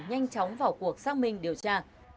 nhanh chóng vào cuộc xác minh điều tra